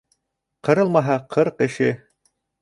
Ҡырылмаһа ҡырҡ эше.